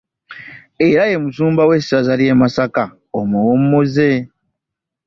Era ye musumba w'essaza lye Masaka omuwummuze